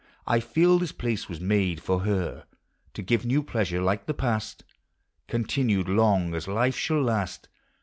1 feel this place was made for her; To give new pleasure like the past, Continued long as life shall last.